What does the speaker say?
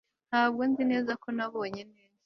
ntabwo nzi neza ko nabonye neza